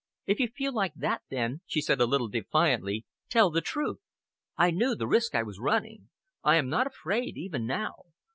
"If you feel like that, then," she said a little defiantly, "tell the truth. I knew the risk I was running. I am not afraid, even now.